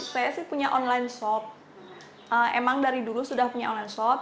saya sih punya online shop emang dari dulu sudah punya online shop